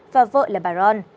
và vợ là bà ron